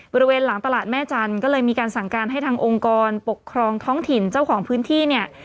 บริเวณหลังตลาดแม่จันทร์ก็เลยมีการสั่งการให้ทางองค์กรปกครองท้องถิ่นเจ้าของพื้นที่เนี่ย